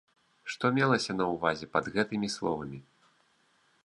Што мелася на ўвазе пад гэтымі словамі?